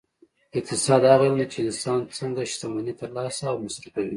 اقتصاد هغه علم دی چې انسان څنګه شتمني ترلاسه او مصرفوي